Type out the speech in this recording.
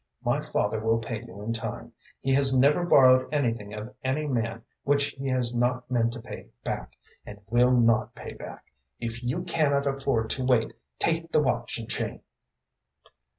My father will pay you in time. He has never borrowed anything of any man which he has not meant to pay back, and will not pay back. If you cannot afford to wait, take the watch and chain."